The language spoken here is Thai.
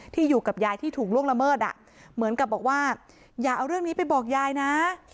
อยู่กับยายที่ถูกล่วงละเมิดอ่ะเหมือนกับบอกว่าอย่าเอาเรื่องนี้ไปบอกยายนะ